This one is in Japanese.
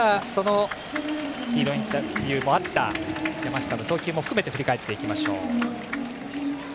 ヒーローインタビューもあった山下の投球も含め振り返っていきましょう。